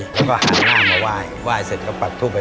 บอกก่อนให้ท่านช่วยพักเบาอะไรอย่างนี้